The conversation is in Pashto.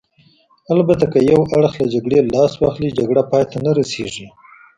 البته که یو اړخ له جګړې لاس واخلي، جګړه پای ته نه رسېږي.